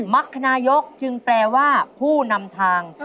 มรรคนายกจึงแปลว่าผู้นำทาง